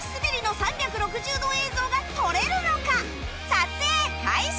撮影開始！